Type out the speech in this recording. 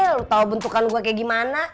lo tau bentukan gue kayak gimana